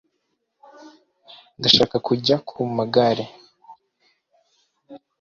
ndashaka kujya ku magare